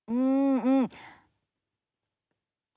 อืม